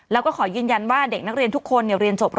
แล้วก็ขอยืนยันว่าเด็กนักเรียนทุกคนเรียนจบ